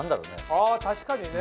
あ確かにね。